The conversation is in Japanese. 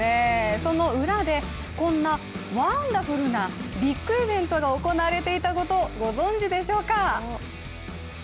その裏でこんなワンダフルなビッグイベントが行われていたことをご存じでしょぅか？